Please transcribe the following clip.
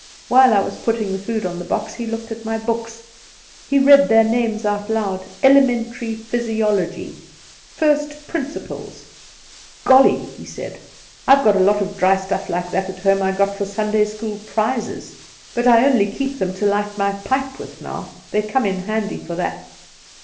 While I was putting the food on the box he looked at my books; he read their names out aloud. 'Elementary Physiology,' 'First Principles.' "'Golly!' he said; 'I've got a lot of dry stuff like that at home I got for Sunday school prizes; but I only keep them to light my pipe with now; they come in handy for that.